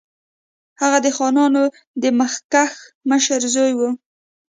هغه د خانانو د مخکښ مشر زوی وو.